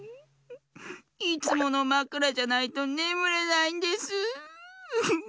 いつものまくらじゃないとねむれないんです。